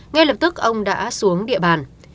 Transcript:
ngay lập tức ông đã xuống địa bàn